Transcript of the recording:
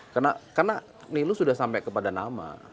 karena niluh sudah sampai kepada nama